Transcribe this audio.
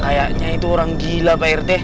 kayaknya itu orang gila pak rth